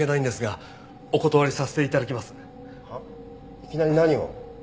いきなり何を。